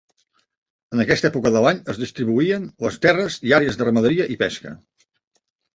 En aquesta època de l'any es distribuïen les terres i àrees de ramaderia i pesca.